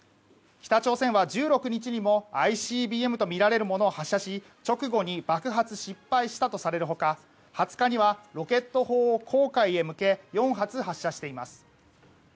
北朝鮮は１６日にもＩＣＢＭとみられるものを発射し直後に爆発、失敗したとされる他２０日にはロケット砲を黄海に向け４発、発射しています。